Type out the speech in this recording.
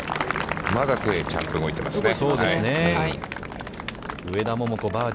まだ手がちゃんと動いていますね。